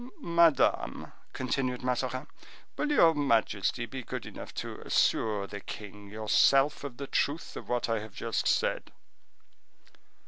"Madame," continued Mazarin, "will your majesty be good enough to assure the king yourself of the truth of what I have just said?"